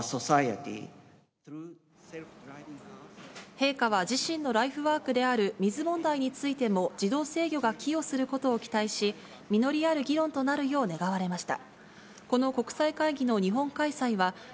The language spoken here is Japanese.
陛下は自身のライフワークである水問題についても、自動制御が寄与することを期待し、実りある議論となるよう願われました。